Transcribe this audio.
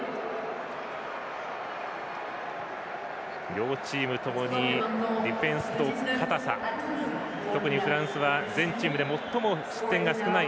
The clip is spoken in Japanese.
両チームともにディフェンスと高さ特にフランスは全チームで最も失点が少ない